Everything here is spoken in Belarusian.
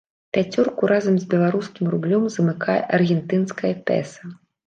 Пяцёрку разам з беларускім рублём замыкае аргентынскае песа.